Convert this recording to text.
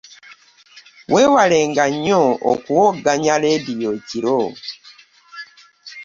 Weewalenga nnyo okuwogganya leediyo ekiro.